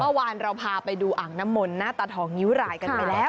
เมื่อวานเราพาไปดูอ่างน้ำมนต์หน้าตาทองนิ้วรายกันไปแล้ว